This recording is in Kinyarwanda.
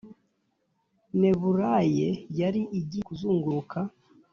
nebulae yari igiye kuzunguruka!